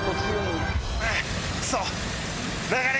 クソ！